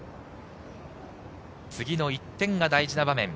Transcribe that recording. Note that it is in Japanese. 次の１点が大事な場面。